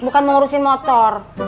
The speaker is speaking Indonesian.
bukan mau ngurusin motor